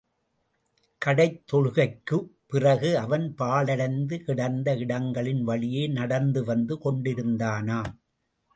கடைத் தொழுகைக்குப் பிறகு அவன் பாழடைந்து கிடந்த இடங்களின் வழியே நடந்து வந்து கொண்டிருந்தானாம்.